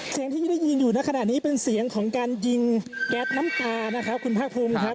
เสียงที่ได้ยินอยู่ในขณะนี้เป็นเสียงของการยิงแก๊สน้ำตานะครับคุณภาคภูมิครับ